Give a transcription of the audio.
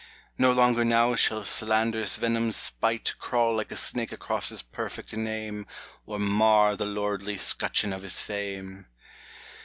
No longer now shall Slander's venomed spite Crawl like a snake across his perfect name, Or mar the lordly scutcheon of his fame.